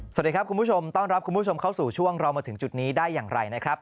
สวัสดีครับคุณผู้ชมต้อนรับคุณผู้ชมเข้าสู่ช่วงเรามาถึงจุดนี้ได้อย่างไรนะครับ